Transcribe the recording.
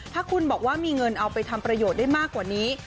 ถ้าคุณบอกว่ามีเงินเอาไปทำประโยชน์ได้มากกว่านี้